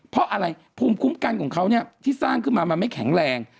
เพราะอะไรภูมิคุ้มกันของเขาที่สร้างขึ้นมามันไม่แข็งแรง